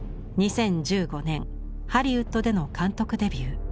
２０１５年ハリウッドでの監督デビュー。